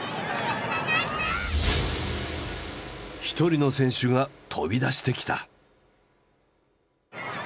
一人の選手が飛び出してきた。